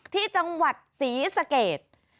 ที่จังหวัดศรีสะเกด